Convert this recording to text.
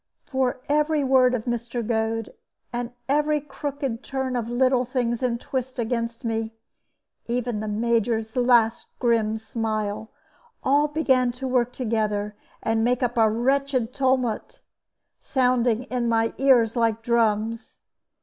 For every word of Mr. Goad, and every crooked turn of little things in twist against me even the Major's last grim smile all began to work together, and make up a wretched tumult, sounding in my ears like drums.